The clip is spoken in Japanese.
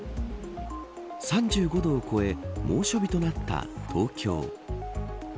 ３５度を超え猛暑日となった東京。